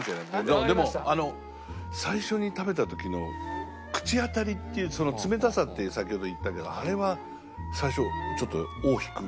でもあの最初に食べた時の口当たりっていう冷たさって先ほど言ったけどあれは最初ちょっと大きく。